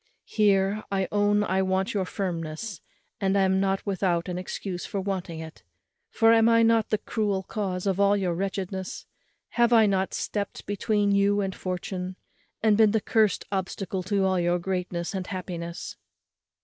Here, I own I want your firmness, and am not without an excuse for wanting it; for am I not the cruel cause of all your wretchedness? have I not stept between you and fortune, and been the cursed obstacle to all your greatness and happiness?"